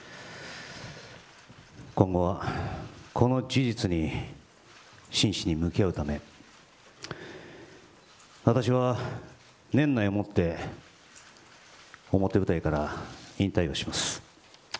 今後はこの事実に真摯に向き合うため私は年内をもって表舞台から引退をします。